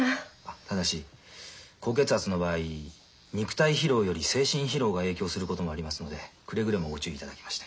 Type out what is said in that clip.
ただし高血圧の場合肉体疲労より精神疲労が影響することもありますのでくれぐれもご注意いただきまして。